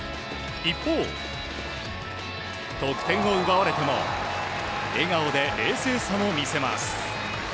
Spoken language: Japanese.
一方、得点を奪われても笑顔で冷静さも見せます。